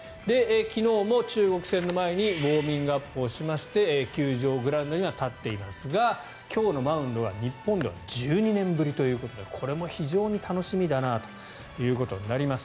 昨日も中国戦の前にウォーミングアップをしまして球場、グラウンドには立っていますが今日のマウンドは日本では１２年ぶりということでこれも非常に楽しみだなということになります。